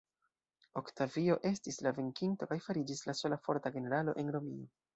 Oktavio estis la venkinto kaj fariĝis la sola forta generalo en Romio.